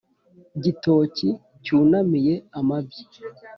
gitoki cyunamiye amabyi.